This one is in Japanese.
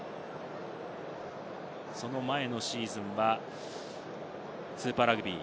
その前のシーズンはスーパーラグビー。